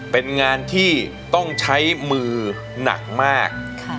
เป็นงานที่ต้องใช้มือหนักมาก